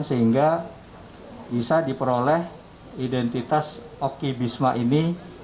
sehingga bisa diperoleh identitas oki bisma ini